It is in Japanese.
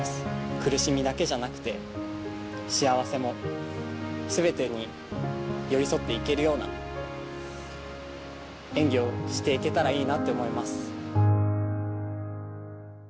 苦しみだけじゃなくて、幸せも、すべてに寄り添っていけるような演技をしていけたらいいなと思います。